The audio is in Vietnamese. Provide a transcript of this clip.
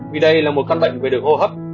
vì đây là một căn bệnh về đường hô hấp